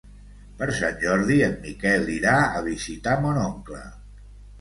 Per Sant Jordi en Miquel irà a visitar mon oncle.